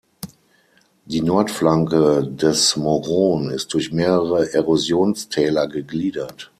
Die Nordflanke des Moron ist durch mehrere Erosionstäler gegliedert.